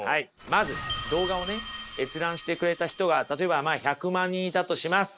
まず動画をね閲覧してくれた人が例えばまあ１００万人いたとします。